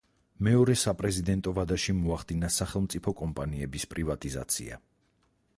მეორე საპრეზიდენტო ვადაში მოახდინა სახელმწიფო კომპანიების პრივატიზაცია.